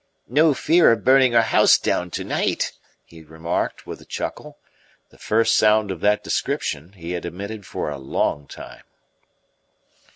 "No fear of burning our house down tonight," he remarked, with a chuckle the first sound of that description he had emitted for a long time.